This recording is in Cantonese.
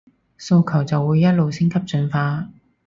訴求就會一路升級進化